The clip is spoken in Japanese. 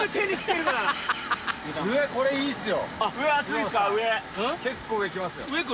上、これいいですよ。